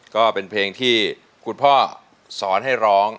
ก็เป็นเพลงที่คุณพ่อสอนให้ร้อง